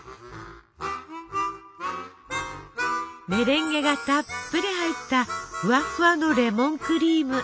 メレンゲがたっぷり入ったふわふわのレモンクリーム。